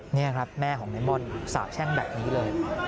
นี่ครับแม่ของในม่อนสาบแช่งแบบนี้เลย